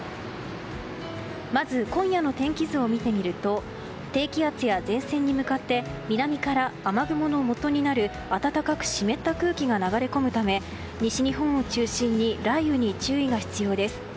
まず、今夜の天気図を見てみると低気圧や前線に向かって南から雨雲のもとになる暖かく湿った空気が流れ込むため西日本を中心に雷雨に注意が必要です。